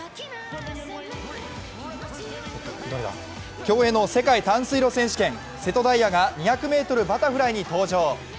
競泳の世界短水路選手権、瀬戸大也が２００ｍバタフライに登場。